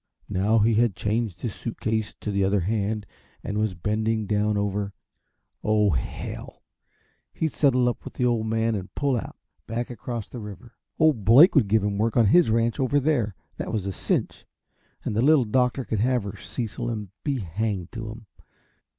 Now he had changed his suit case to the other hand, and was bending down over oh, hell! He'd settle up with the Old Man and pull out, back across the river. Old Blake would give him work on his ranch over there, that was a cinch. And the Little Doctor could have her Cecil and be hanged to him.